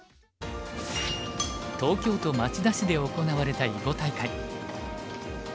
東京都町田市で行われた囲碁大会。